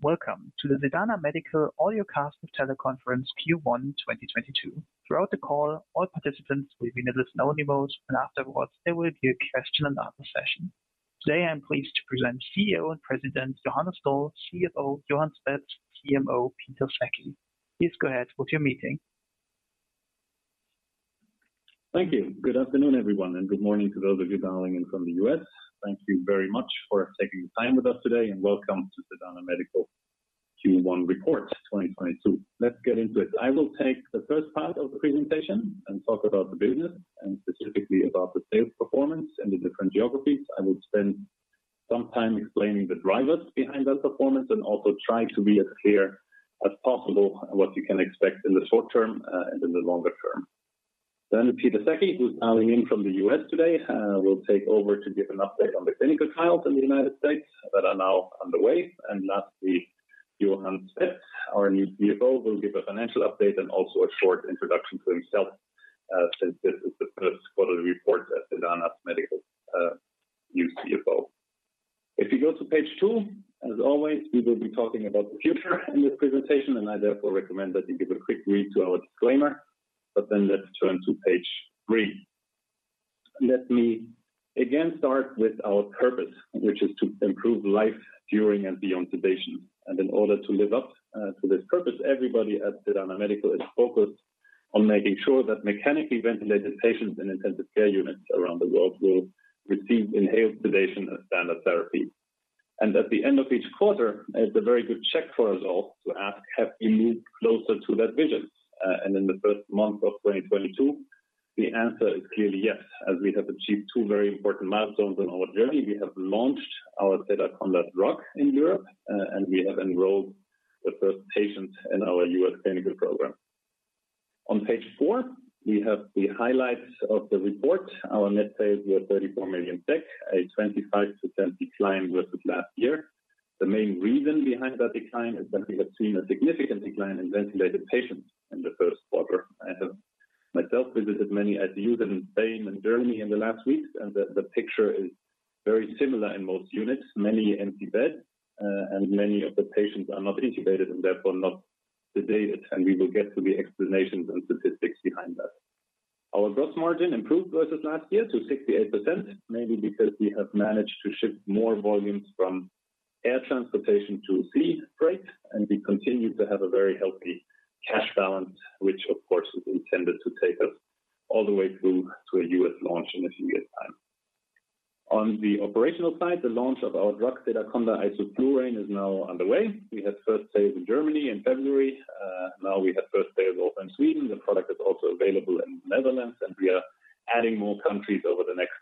Welcome to the Sedana Medical audiocasts and Teleconference Q1 2022. Throughout the call, all participants will be in listen-only mode, and afterwards there will be a question and answer session. Today, I am pleased to present CEO and President Johannes Doll, CFO Johan Spetz, CMO Peter Sackey. Please go ahead with your meeting. Thank you. Good afternoon, everyone, and good morning to those of you dialing in from the U.S. Thank you very much for taking the time with us today, and welcome to Sedana Medical Q1 Report 2022. Let's get into it. I will take the first part of the presentation and talk about the business and specifically about the sales performance in the different geographies. I will spend some time explaining the drivers behind that performance and also try to be as clear as possible on what you can expect in the short term, and in the longer term. Then Peter Sackey, who's dialing in from the U.S., today will take over to give an update on the clinical trials in the United States that are now underway. Lastly, Johan Spetz, our new CFO, will give a financial update and also a short introduction to himself, since this is the first quarterly report as Sedana Medical's new CFO. If you go to page two, as always, we will be talking about the future in this presentation and I therefore recommend that you give a quick read to our disclaimer. Let's turn to page three. Let me again start with our purpose, which is to improve life during and beyond sedation. In order to live up to this purpose, everybody at Sedana Medical is focused on making sure that mechanically ventilated patients in intensive care units around the world will receive inhaled sedation as standard therapy. At the end of each quarter, it's a very good check for us all to ask, have we moved closer to that vision? In the first month of 2022, the answer is clearly yes, as we have achieved two very important milestones on our journey. We have launched our Sedaconda drug in Europe, and we have enrolled the first patient in our U.S., clinical program. On page four, we have the highlights of the report. Our net sales were 34 million, a 25% decline versus last year. The main reason behind that decline is that we have seen a significant decline in ventilated patients in the first quarter. I have myself visited many ICUs in Spain and Germany in the last weeks, and the picture is very similar in most units. Many empty beds, and many of the patients are not intubated and therefore not sedated and we will get to the explanations and statistics behind that. Our gross margin improved versus last year to 68%, mainly because we have managed to ship more volumes from air transportation to sea freight, and we continue to have a very healthy cash balance, which of course is intended to take us all the way through to a U.S., launch in a few years' time. On the operational side, the launch of our drug Sedaconda isoflurane is now underway. We had first sales in Germany in February. Now we have first sales also in Sweden. The product is also available in the Netherlands, and we are adding more countries over the next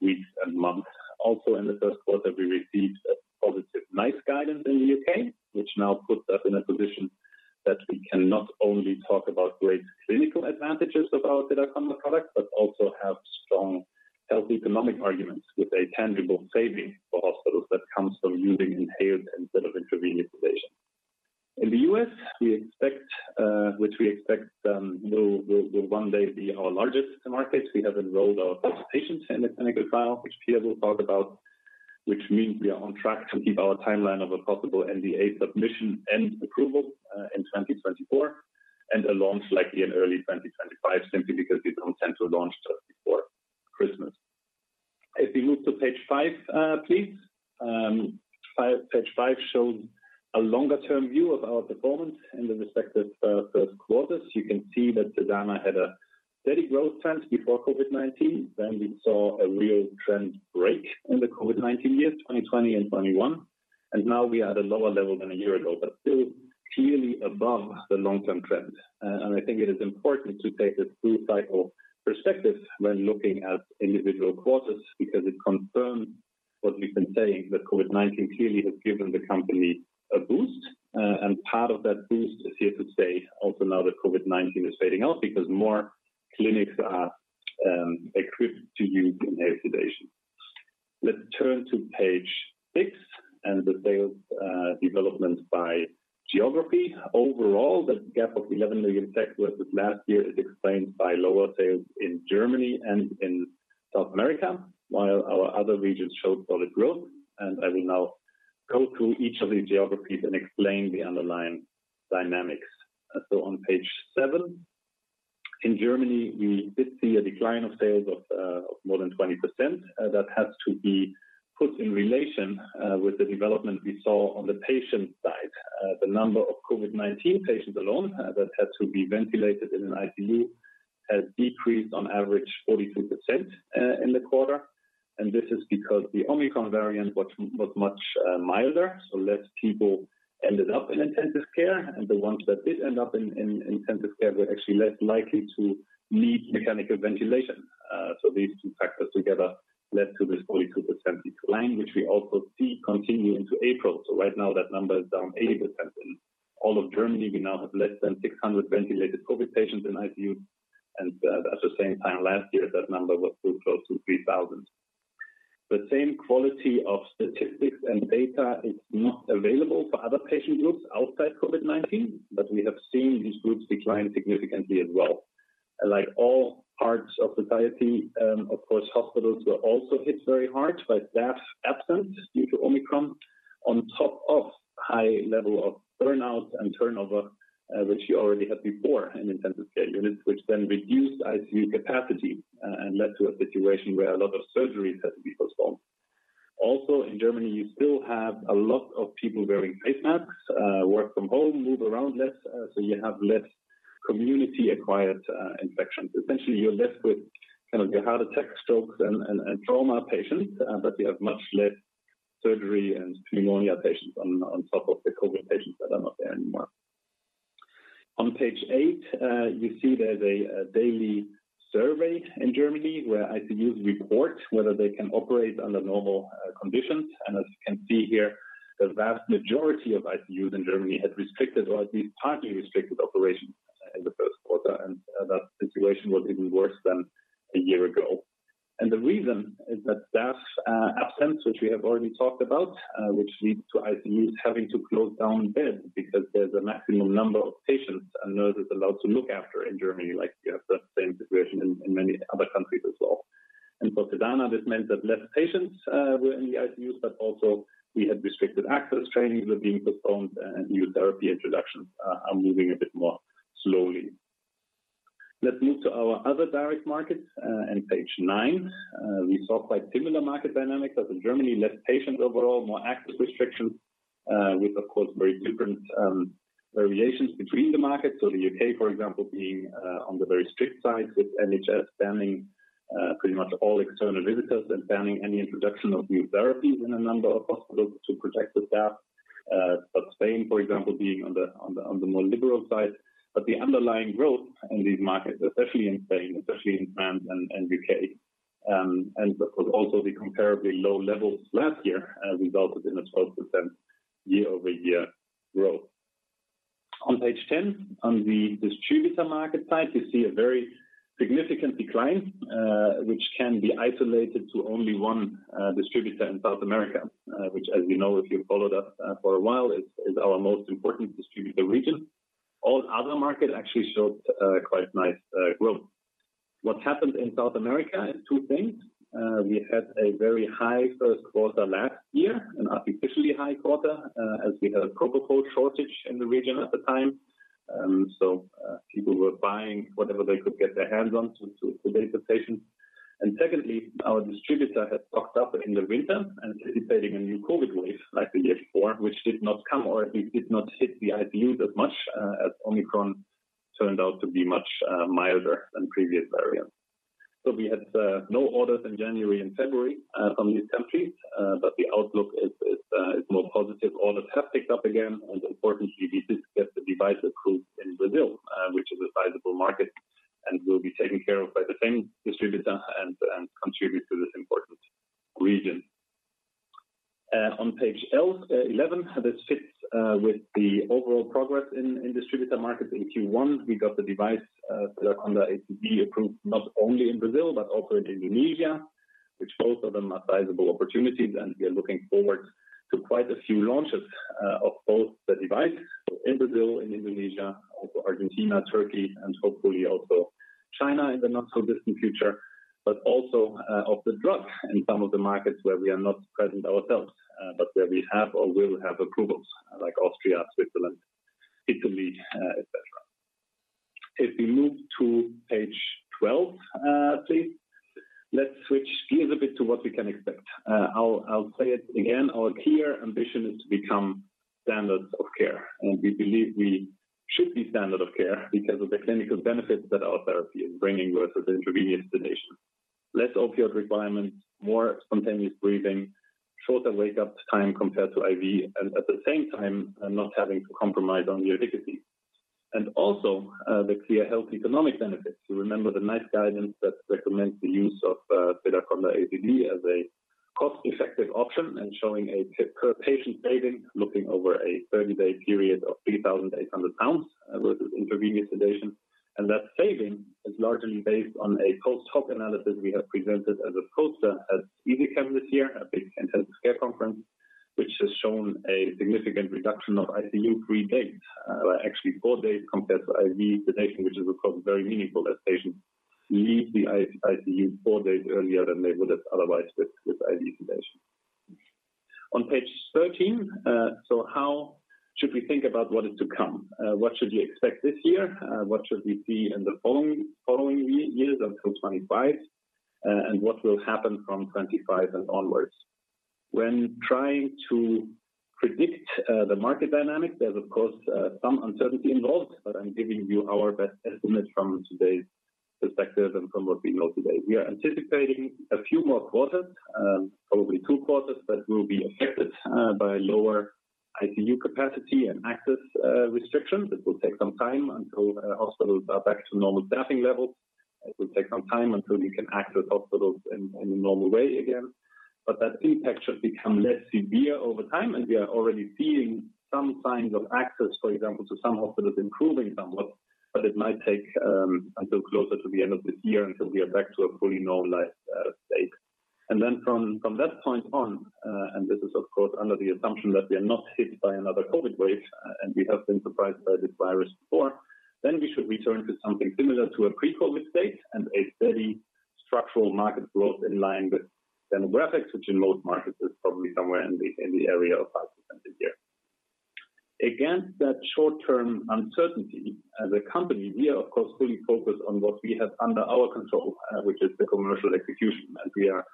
weeks and months. Also in the first quarter, we received a positive NICE guidance in the U.K., which now puts us in a position that we can not only talk about great clinical advantages of our Sedaconda product, but also have strong health economic arguments with a tangible saving for hospitals that comes from using inhaled instead of intravenous sedation. In the U.S., which we expect will one day be our largest market. We have enrolled our first patients in the clinical trial, which Peter will talk about, which means we are on track to keep our timeline of a possible NDA submission and approval in 2024, and a launch likely in early 2025, simply because we don't tend to launch just before Christmas. If you move to page five, please. Page five shows a longer-term view of our performance in the respective first quarters. You can see that Sedana had a steady growth trend before COVID-19. We saw a real trend break in the COVID-19 years, 2020 and 2021. Now we are at a lower level than a year ago, but still clearly above the long-term trend. I think it is important to take this full cycle perspective when looking at individual quarters because it confirms what we've been saying, that COVID-19 clearly has given the company a boost. Part of that boost is here to stay also now that COVID-19 is fading out because more clinics are equipped to use inhaled sedation. Let's turn to page six and the sales development by geography. Overall, the gap of 11 million versus last year is explained by lower sales in Germany and in South America, while our other regions showed solid growth. I will now go through each of these geographies and explain the underlying dynamics. On page seven, in Germany, we did see a decline of sales of more than 20%. That has to be put in relation with the development we saw on the patient side. The number of COVID-19 patients alone that had to be ventilated in an ICU has decreased on average 42% in the quarter. This is because the Omicron variant was much milder, so less people ended up in intensive care. The ones that did end up in intensive care were actually less likely to need mechanical ventilation. These two factors together led to this 42% decline, which we also see continue into April. Right now that number is down 80%. In all of Germany, we now have less than 600 ventilated COVID-19 patients in ICU. At the same time last year, that number was close to 3,000. The same quality of statistics and data is not available for other patient groups outside COVID-19, but we have seen these groups decline significantly as well. Like all parts of society, of course, hospitals were also hit very hard by staff absence due to Omicron on top of high level of burnout and turnover, which you already had before in intensive care units, which then reduced ICU capacity, and led to a situation where a lot of surgeries had to be postponed. In Germany, you still have a lot of people wearing face masks, work from home, move around less, so you have less community-acquired infections. Essentially, you're left with kind of your heart attack, strokes and trauma patients, but you have much less surgery and pneumonia patients on top of the COVID patients that are not there anymore. On page eight, you see there's a daily survey in Germany where ICUs report whether they can operate under normal conditions. As you can see here, the vast majority of ICUs in Germany had restricted or at least partly restricted operations in the first quarter, and that situation was even worse than a year ago. The reason is that staff absence, which we have already talked about, which leads to ICUs having to close down beds because there's a maximum number of patients a nurse is allowed to look after in Germany, like you have the same situation in many other countries as well. For Sedana, this meant that less patients were in the ICUs, but also we had restricted access. Trainings were being postponed and new therapy introductions are moving a bit more slowly. Let's move to our other direct markets and page nine. We saw quite similar market dynamics as in Germany, less patients overall, more access restrictions, with of course very different variations between the markets. The U.K., for example, being on the very strict side with NHS banning pretty much all external visitors and banning any introduction of new therapies in a number of hospitals to protect the staff. Spain, for example, being on the more liberal side. The underlying growth in these markets, especially in Spain, especially in France and UK, and of course also the comparably low levels last year, resulted in a 12% year-over-year growth. On page 10, on the distributor market side, you see a very significant decline, which can be isolated to only one distributor in South America, which as you know if you followed us for a while is our most important distributor region. All other markets actually showed quite nice growth. What happened in South America is two things. We had a very high first quarter last year, an artificially high quarter, as we had a Propofol shortage in the region at the time. People were buying whatever they could get their hands on to sedate the patients. Secondly, our distributor had stocked up in the winter anticipating a new COVID wave like the year before, which did not come or at least did not hit the ICUs as much, as Omicron turned out to be much milder than previous variants. We had no orders in January and February from these countries, but the outlook is more positive. Orders have picked up again, and importantly, we did get the device approved in Brazil, which is a sizable market and will be taken care of by the same distributor and contribute to this important region. On page eleven, this fits with the overall progress in distributor markets. In Q1, we got the device, Sedaconda ACD approved not only in Brazil but also in Indonesia, which both of them are sizable opportunities, and we are looking forward to quite a few launches of both the device in Brazil and Indonesia, also Argentina, Turkey, and hopefully also China in the not-so-distant future. Also of the drug in some of the markets where we are not present ourselves, but where we have or will have approvals like Austria, Switzerland, Italy, et cetera. If we move to page 12, please, let's switch gears a bit to what we can expect. I'll say it again, our clear ambition is to become standards of care, and we believe we should be standard of care because of the clinical benefits that our therapy is bringing versus intravenous sedation. Less opioid requirements, more spontaneous breathing, shorter wake-up time compared to IV, and at the same time, not having to compromise on the efficacy. The clear health economic benefits. You remember the NICE guidance that recommends the use of Sedaconda ACD as a cost-effective option and showing a per patient saving looking over a 30-day period of 3,800 pounds versus intravenous sedation. That saving is largely based on a post-hoc analysis we have presented as a poster at ESICM this year, a big intensive care conference, which has shown a significant reduction of ICU-free days, actually four days compared to IV sedation, which is of course very meaningful as patients leave the ICU four days earlier than they would have otherwise with IV sedation. On page 13, how should we think about what is to come? What should we expect this year? What should we see in the following years until 2025? What will happen from 2025 and onwards? When trying to predict the market dynamics, there's of course some uncertainty involved, but I'm giving you our best estimate from today's perspective and from what we know today. We are anticipating a few more quarters, probably two quarters that will be affected by lower ICU capacity and access restrictions. It will take some time until hospitals are back to normal staffing levels. It will take some time until we can access hospitals in a normal way again. That impact should become less severe over time, and we are already seeing some signs of access, for example, to some hospitals improving somewhat. It might take until closer to the end of this year until we are back to a fully normalized state. Then from that point on, and this is of course under the assumption that we are not hit by another COVID wave, and we have been surprised by this virus before, then we should return to something similar to a pre-COVID state and a steady structural market growth in line with demographics, which in most markets is probably somewhere in the area of 5% a year. Against that short-term uncertainty, as a company, we are of course fully focused on what we have under our control, which is the commercial execution. We are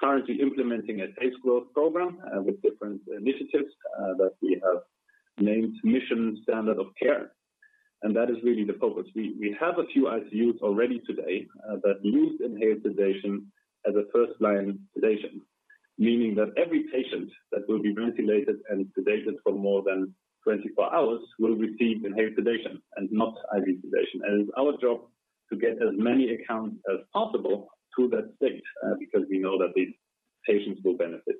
currently implementing a phased growth program with different initiatives that we have named Mission Standard of Care. That is really the focus. We have a few ICUs already today that use inhaled sedation as a first-line sedation, meaning that every patient that will be ventilated and sedated for more than 24 hours will receive inhaled sedation and not IV sedation. It's our job to get as many accounts as possible to that state because we know that these patients will benefit.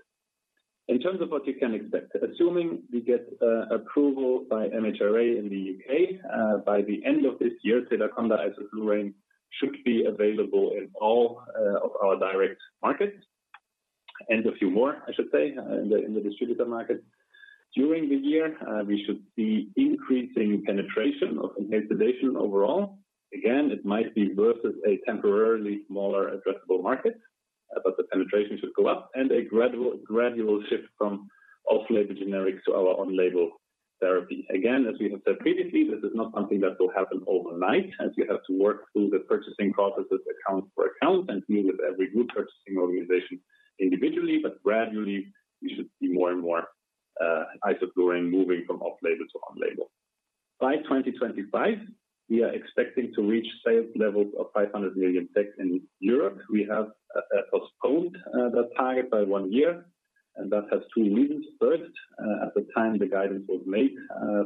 In terms of what you can expect, assuming we get approval by MHRA in the U.K., by the end of this year Sedaconda isoflurane should be available in all of our direct markets, and a few more, I should say, in the distributor markets. During the year, we should see increasing penetration of inhaled sedation overall. Again, it might be versus a temporarily smaller addressable market, but the penetration should go up and a gradual shift from off-label generics to our on-label therapy. Again, as we have said previously, this is not something that will happen overnight as we have to work through the purchasing processes account per account and deal with every group purchasing organization individually. Gradually, we should see more and more isoflurane moving from off-label to on-label. By 2025, we are expecting to reach sales levels of 500 million in Europe. We have postponed that target by one year, and that has two reasons. First, at the time the guidance was made,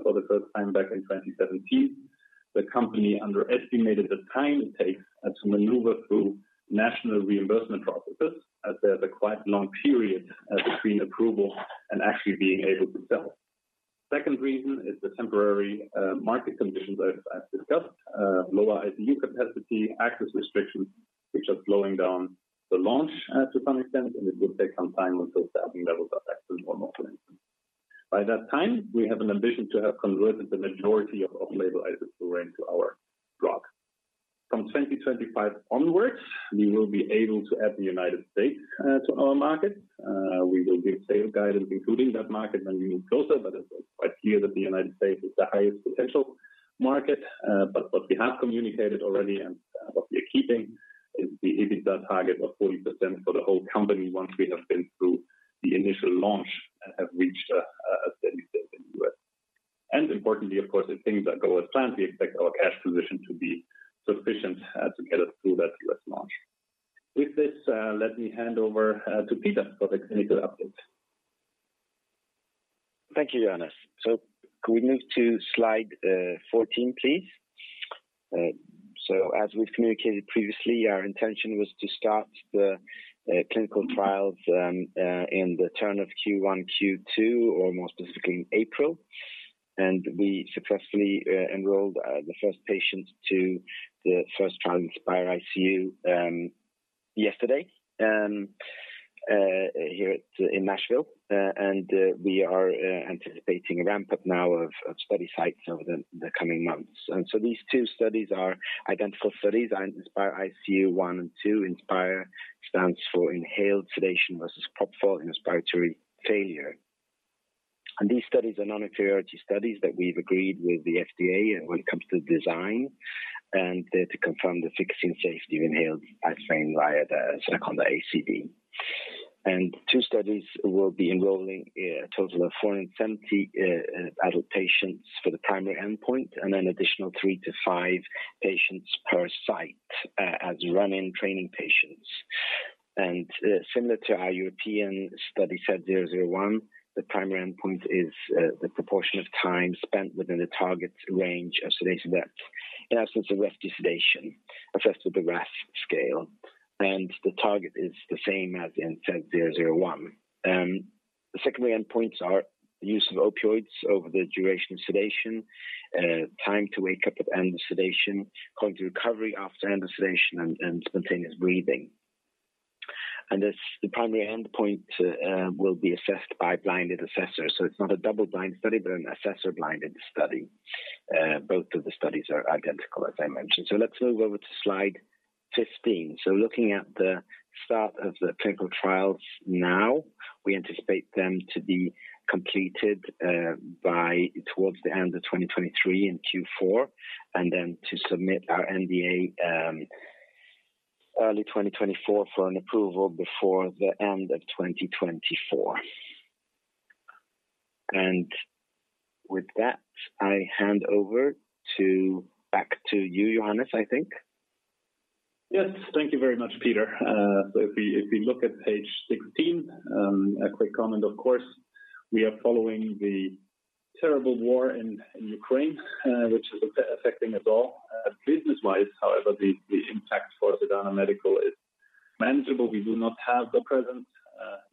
for the first time back in 2017, the company underestimated the time it takes to maneuver through national reimbursement processes, as there's a quite long period between approval and actually being able to sell. Second reason is the temporary market conditions I've discussed. Lower ICU capacity, access restrictions, which are slowing down the launch to some extent, and it will take some time until staffing levels are back to normal once again. By that time, we have an ambition to have converted the majority of off-label isoflurane to our drug. From 2025 onwards, we will be able to add the United States to our market. We will give sales guidance including that market when we move closer, but it's quite clear that the United States is the highest potential market. What we have communicated already and what we are keeping is the EBITDA target of 40% for the whole company once we have been through the initial launch and have reached a steady state in the U.S. Importantly, of course, if things go as planned, we expect our cash position to be sufficient to get us through that U.S. launch. With this, let me hand over to Peter for the clinical update. Thank you, Johannes. Could we move to slide 14, please? As we've communicated previously, our intention was to start the clinical trials in the turn of Q1, Q2, or more specifically April. We successfully enrolled the first patient to the first trial INSPiRE-ICU yesterday here in Nashville. We are anticipating a ramp-up now of study sites over the coming months. These two studies are identical studies and INSPiRE-ICU one and two. INSPiRE stands for Inhaled Sedation versus Propofol in Respiratory Failure. These studies are non-inferiority studies that we've agreed with the FDA when it comes to design, and they're to confirm the efficacy and safety of inhaled isoflurane via the Sedaconda ACD. Two studies will be enrolling a total of 470 adult patients for the primary endpoint and an additional three-five patients per site as run-in training patients. Similar to our European study, SED-001, the primary endpoint is the proportion of time spent within the target range of sedation depth. In essence, the depth of sedation assessed with the RASS scale. The target is the same as in SED-001. The secondary endpoints are use of opioids over the duration of sedation, time to wake up at end of sedation, cognitive recovery after end of sedation, and spontaneous breathing. As the primary endpoint will be assessed by blinded assessors. It's not a double-blind study, but an assessor blinded study. Both of the studies are identical, as I mentioned. Let's move over to slide 15. Looking at the start of the clinical trials now, we anticipate them to be completed by towards the end of 2023 in Q4, and then to submit our NDA early 2024 for an approval before the end of 2024. With that, I hand over. Back to you, Johannes, I think. Yes. Thank you very much, Peter. So if we look at page 16, a quick comment, of course. We are following the terrible war in Ukraine, which is affecting us all. Business-wise, however, the impact for Sedana Medical is manageable. We do not have a presence,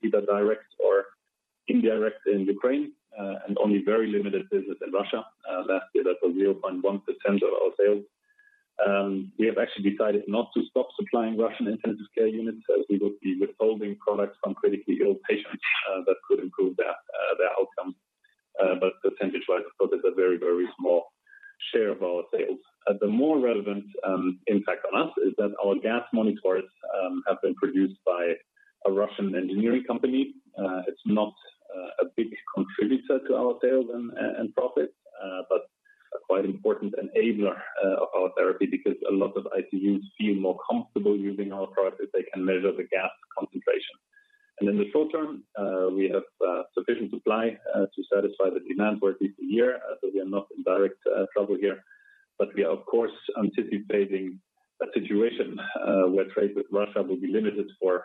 either direct or indirect in Ukraine, and only very limited business in Russia. Last year that was 0.1% of our sales. We have actually decided not to stop supplying Russian intensive care units, as we would be withholding products from critically ill patients that could improve their outcome. But percentage-wise, that's a very, very small share of our sales. The more relevant impact on us is that our gas monitors have been produced by a Russian engineering company. It's not a big contributor to our sales and profits, but quite important enabler of our therapy because a lot of ICUs feel more comfortable using our product if they can measure the gas concentration. In the short term, we have sufficient supply to satisfy the demand for at least a year, so we are not in direct trouble here. We are, of course, anticipating a situation where trade with Russia will be limited for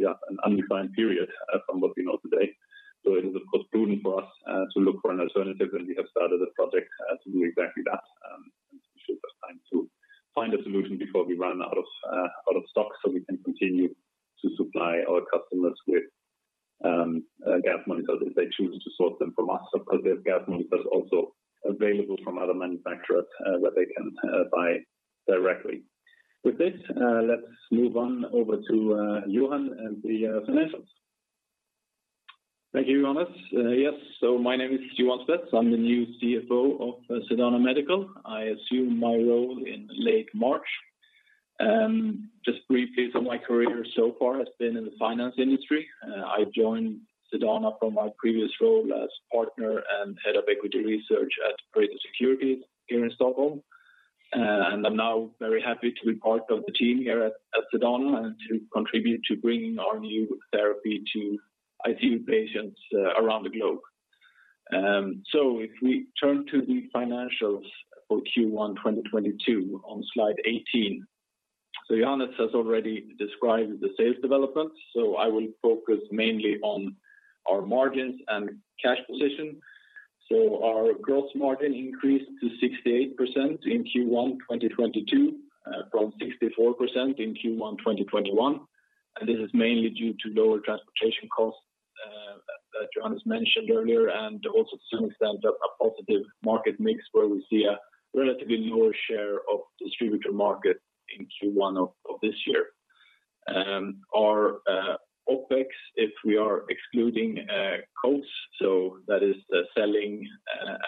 an undefined period from what we know today. It is, of course, prudent for us to look for an alternative, and we have started a project to do exactly that, and should have time to find a solution before we run out of stock, so we can continue to supply our customers with gas monitors if they choose to source them from us. Of course, there's gas monitors also available from other manufacturers where they can buy directly. With this, let's move on over to Johan and the financials. Thank you, Johannes. My name is Johan Spetz. I'm the new CFO of Sedana Medical. I assumed my role in late March. My career so far has been in the finance industry. I joined Sedana from my previous role as Partner and Head of Equity Research at Pareto Securities here in Stockholm. I'm now very happy to be part of the team here at Sedana and to contribute to bringing our new therapy to ICU patients around the globe. If we turn to the financials for Q1 2022 on slide 18. Johannes has already described the sales development, so I will focus mainly on our margins and cash position. Our gross margin increased to 68% in Q1 2022, from 64% in Q1 2021. This is mainly due to lower transportation costs that Johannes mentioned earlier and also to some extent a positive market mix where we see a relatively lower share of distributor market in Q1 of this year. Our OpEx, if we are excluding costs, so that is the selling,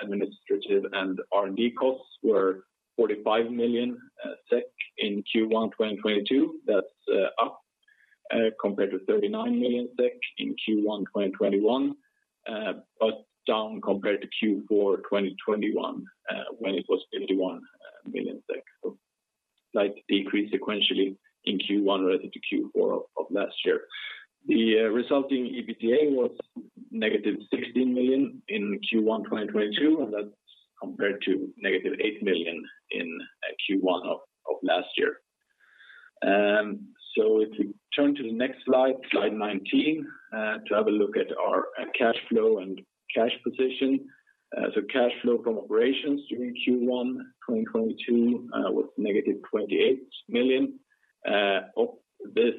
administrative and R&D costs were 45 million SEK in Q1 2022. That's up compared to 39 million SEK in Q1 2021, but down compared to Q4 2021, when it was 51 million SEK. Slight decrease sequentially in Q1 relative to Q4 of last year. The resulting EBITDA was -16 million in Q1 2022, and that's compared to -8 million in Q1 of last year. If you turn to the next slide 19, to have a look at our cash flow and cash position. Cash flow from operations during Q1 2022 was -28 million. Of this,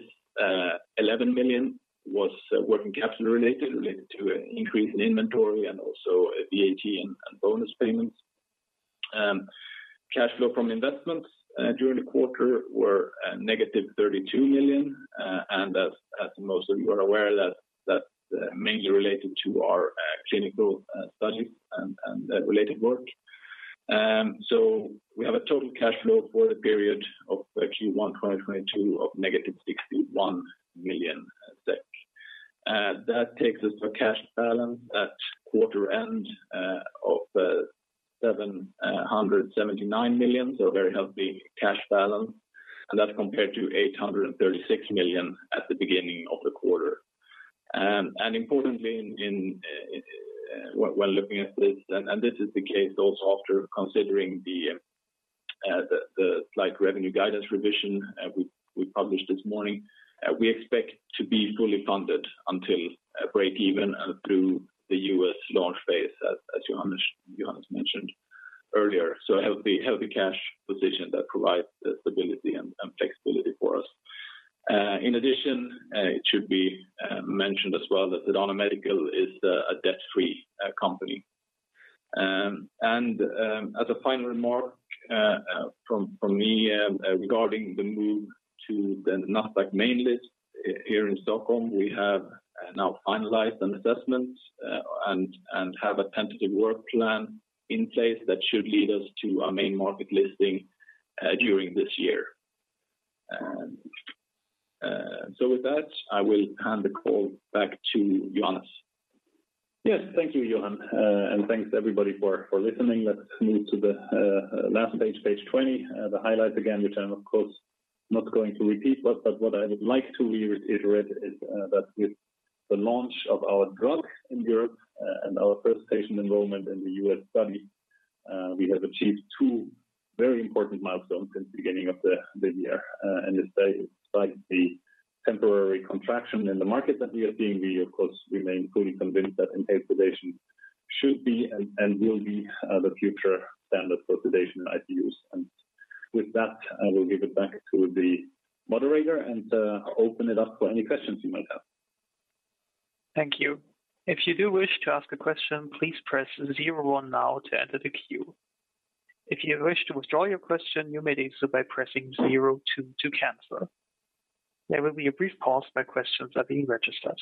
11 million was working capital-related, related to an increase in inventory and also VAT and bonus payments. Cash flow from investments during the quarter were -32 million. And as most of you are aware that's mainly related to our clinical studies and related work. We have a total cash flow for the period of Q1 2022 of -61 million SEK. That takes us to a cash balance at quarter end of 779 million, so a very healthy cash balance. That's compared to 836 million at the beginning of the quarter. Importantly, when looking at this is the case also after considering the slight revenue guidance revision we published this morning. We expect to be fully funded until break even through the U.S., launch phase, as Johannes mentioned earlier. So a healthy cash position that provides stability and flexibility for us. In addition, it should be mentioned as well that Sedana Medical is a debt-free company. As a final remark from me regarding the move to the Nasdaq main list here in Stockholm. We have now finalized an assessment and have a tentative work plan in place that should lead us to our main market listing during this year. With that, I will hand the call back to Johannes. Yes. Thank you, Johan. And thanks everybody for listening. Let's move to the last page 20. The highlights again, which I'm of course not going to repeat. What I would like to reiterate is that with the launch of our drug in Europe and our first patient enrollment in the U.S., study we have achieved two very important milestones since the beginning of the year. Despite the temporary contraction in the market that we are seeing, we of course remain fully convinced that inhalation should be and will be the future standard for sedation in ICUs. With that, I will give it back to the moderator and open it up for any questions you might have. Thank you. If you do wish to ask a question, please press zero one now to enter the queue. If you wish to withdraw your question, you may do so by pressing zero two to cancel. There will be a brief pause while questions are being registered.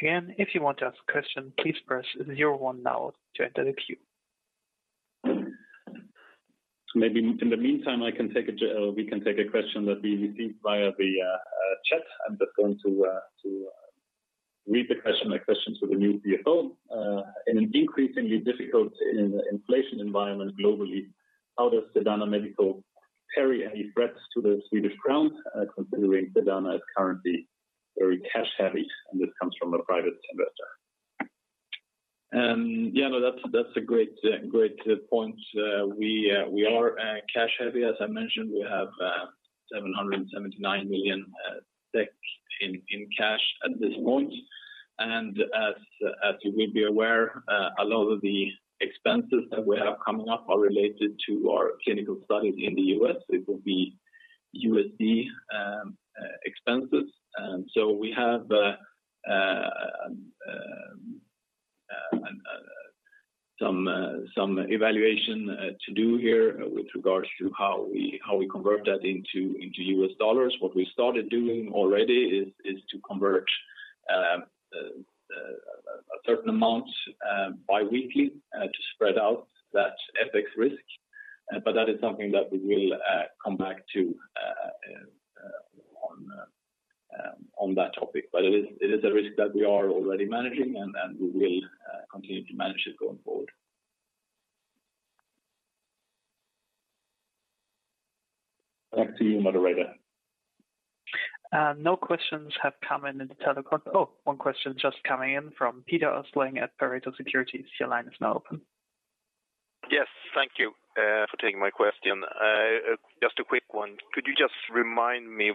Again, if you want to ask a question, please press zero one now to enter the queue. Maybe in the meantime, we can take a question that we received via the chat. I'm just going to read the question. A question for the new CFO. In an increasingly difficult inflation environment globally, how does Sedana Medical perceive any threats from the Swedish krona, considering Sedana is currently very cash-heavy? This comes from a private investor. That's a great point. We are cash-heavy, as I mentioned. We have 779 million in cash at this point. As you will be aware, a lot of the expenses that we have coming up are related to our clinical studies in the U.S. It will be USD expenses. We have some evaluation to do here with regards to how we convert that into U.S. dollars. What we started doing already is to convert a certain amount bi-weekly to spread out that FX risk. That is something that we will come back to on that topic. It is a risk that we are already managing and we will continue to manage it going forward. Back to you, moderator. No questions have come in the telecon. Oh, one question just coming in from Peter Östling at Pareto Securities. Your line is now open. Yes. Thank you, for taking my question. Just a quick one. Could you just remind me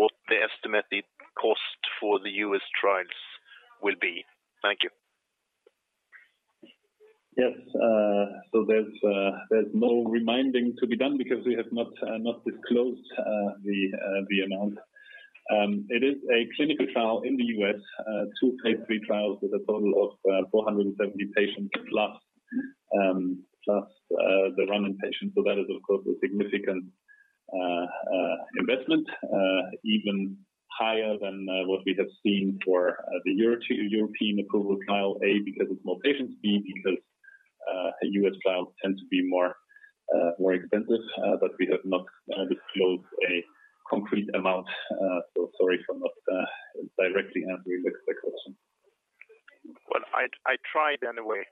what the estimated cost for the U.S. trials will be? Thank you. Yes. There's no reminding to be done because we have not disclosed the amount. It is a clinical trial in the U.S., two phase III trials with a total of 470 patients plus the run-in patients, so that is of course a significant investment, even higher than what we have seen for the European approval trial, A, because it's more patients, B, because U.S. trials tend to be more expensive, but we have not disclosed a concrete amount. Sorry for not directly answering the question. Well, I tried anyway.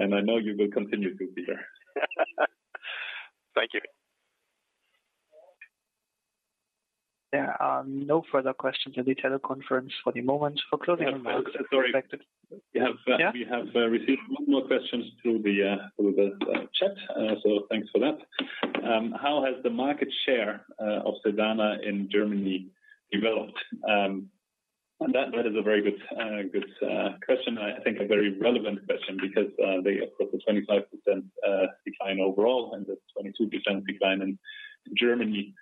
I know you will continue to, Peter. Thank you. There are no further questions in the teleconference for the moment. For closing remarks. Sorry. We have. Yeah. We have received one more question through the chat, so thanks for that. How has the market share of Sedana in Germany developed? That is a very good question. I think a very relevant question because, of course, the 25% decline overall and the 22% decline in Germany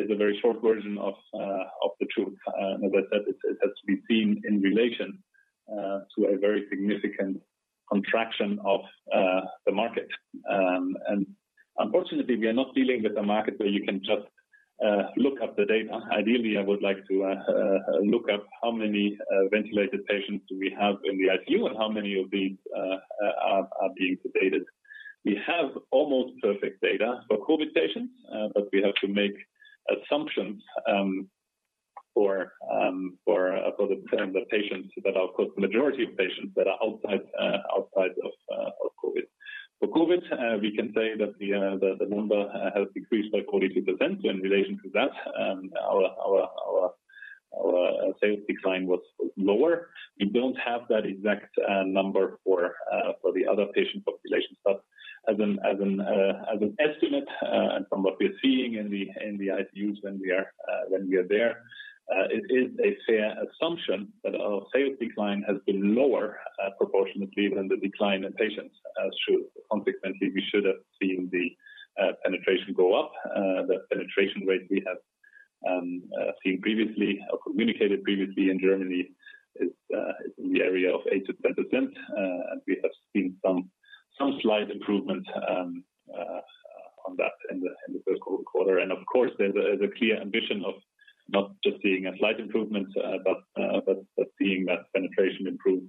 is a very short version of the truth. That it has to be seen in relation to a very significant contraction of the market. Unfortunately, we are not dealing with a market where you can just look up the data. Ideally, I would like to look up how many ventilated patients do we have in the ICU and how many of these are being sedated. We have almost perfect data for COVID patients, but we have to make assumptions for the patients that are, of course, the majority of patients that are outside of COVID. For COVID, we can say that the number has decreased by 40%. In relation to that, our sales decline was lower. We don't have that exact number for the other patient populations. As an estimate, and from what we're seeing in the ICUs when we are there, it is a fair assumption that our sales decline has been lower proportionately than the decline in patients. Consequently, we should have seen the penetration go up. The penetration rate we have seen previously or communicated previously in Germany is in the area of 8%-10%. We have seen some slight improvement on that in the first quarter. Of course, there's a clear ambition of not just seeing a slight improvement, but seeing that penetration improve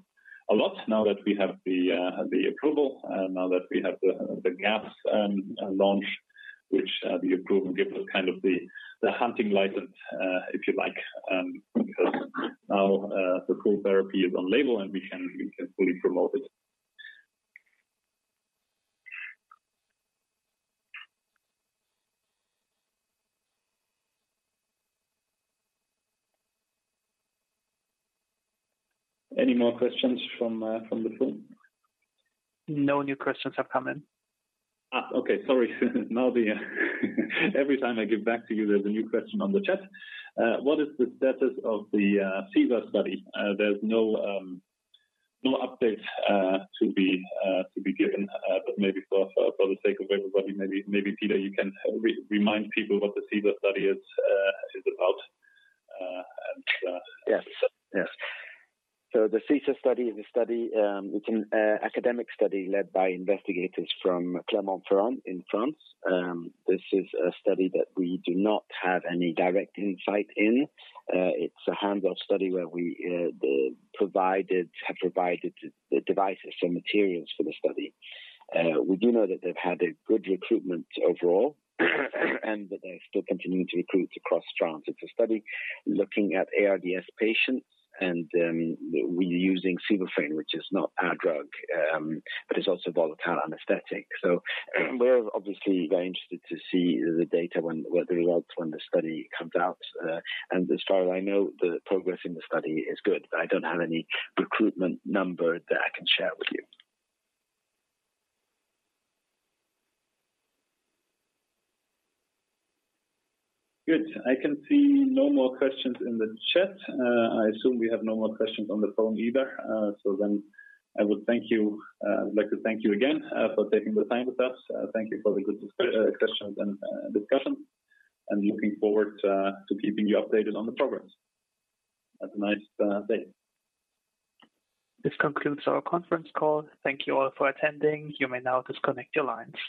a lot now that we have the approval, now that we have the Sedaconda launch, which the approval gives us kind of the hunting license, if you like, because now the full therapy is on label, and we can fully promote it. Any more questions from the phone? No new questions have come in. Okay. Sorry. Every time I give back to you, there's a new question on the chat. What is the status of the SEVA study? There's no update to be given. Maybe for the sake of everybody, maybe Peter, you can remind people what the SEVA study is about. Yes. The SEVA study is a study, it's an academic study led by investigators from Clermont-Ferrand in France. This is a study that we do not have any direct insight in. It's an investigator-initiated study where we have provided devices and materials for the study. We do know that they've had a good recruitment overall, and that they're still continuing to recruit across France. It's a study looking at ARDS patients, and we're using Sevoflurane, which is not our drug, but it's also volatile anesthetic. We're obviously very interested to see the results when the study comes out. As far as I know, the progress in the study is good, but I don't have any recruitment number that I can share with you. Good. I can see no more questions in the chat. I assume we have no more questions on the phone either. I would thank you. I'd like to thank you again, for taking the time with us. Thank you for the good questions and discussion, and looking forward to keeping you updated on the progress. Have a nice day. This concludes our conference call. Thank you all for attending. You may now disconnect your lines.